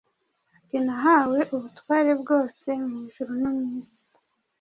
ati, “Nahawe ubutware bwose mu ijuru no mu isi.